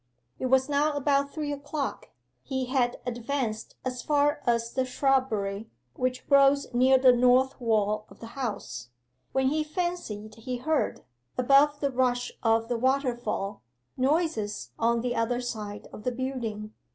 'It was now about three o'clock. He had advanced as far as the shrubbery, which grows near the north wall of the house, when he fancied he heard, above the rush of the waterfall, noises on the other side of the building.